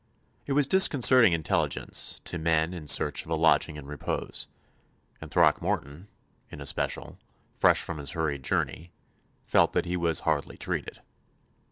It was disconcerting intelligence to men in search of a lodging and repose; and Throckmorton, in especial, fresh from his hurried journey, felt that he was hardly treated.